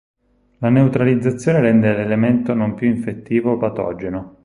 La neutralizzazione rende l'elemento non più infettivo o patogeno.